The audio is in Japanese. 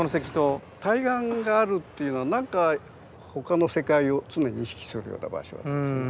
対岸があるっていうのは何か他の世界を常に意識するような場所ですよね。